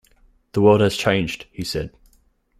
“The world has changed,” he said.